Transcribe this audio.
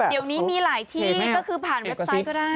เดี๋ยวนี้มีหลายที่ก็คือผ่านเว็บไซต์ก็ได้